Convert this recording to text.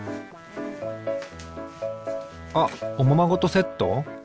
あっおままごとセット？